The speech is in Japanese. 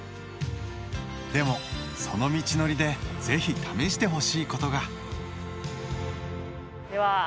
でもその道のりで是非試してほしいことが。